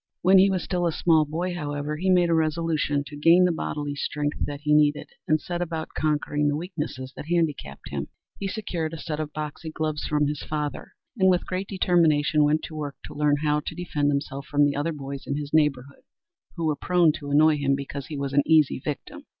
When he was still a small boy, however, he made a resolution to gain the bodily strength that he needed and set about conquering the weaknesses that handicapped him. He secured a set of boxing gloves from his father, and with great determination went to work to learn how to defend himself from the other boys in his neighborhood, who were prone to annoy him because he was an easy victim.